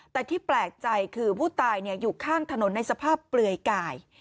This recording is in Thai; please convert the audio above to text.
แต่ที่แปลกใจคือผู้ตายอยู่ข้างถนนในสภาพเปลือยกาย